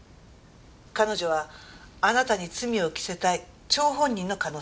彼女はあなたに罪を着せたい張本人の可能性もあるわ。